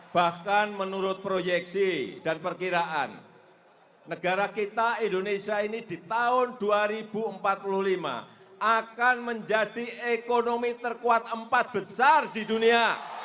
bahkan menurut proyeksi dan perkiraan negara kita indonesia ini di tahun dua ribu empat puluh lima akan menjadi ekonomi terkuat empat besar di dunia